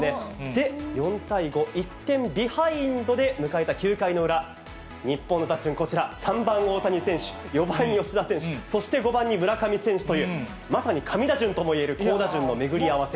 で、４対５、１点ビハインドで迎えた９回の裏、日本の打順、こちら、３番大谷選手、４番吉田選手、そして５番に村上選手という、まさに神打順ともいえる好打順の巡り合わせ。